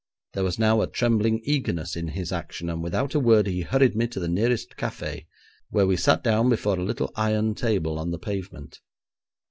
There was now a trembling eagerness in his action, and without a word he hurried me to the nearest café, where we sat down before a little iron table on the pavement.